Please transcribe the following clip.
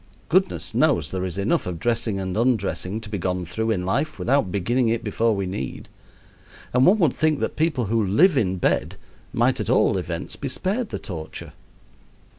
Goodness knows there is enough of dressing and undressing to be gone through in life without beginning it before we need; and one would think that people who live in bed might at all events be spared the torture.